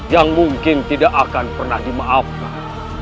yang mungkin tidak akan pernah dimaafkan